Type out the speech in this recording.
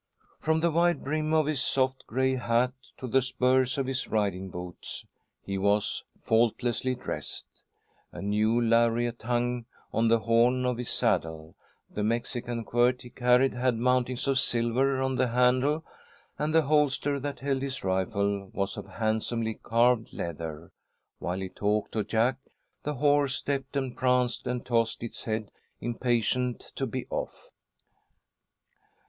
From the wide brim of his soft, gray hat to the spurs on his riding boots, he was faultlessly dressed. A new lariat hung on the horn of his saddle, the Mexican quirt he carried had mountings of silver on the handle, and the holster that held his rifle was of handsomely carved leather. While he talked to Jack, the horse stepped and pranced and tossed its head, impatient to be off.